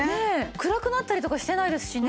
暗くなったりとかしてないですしね。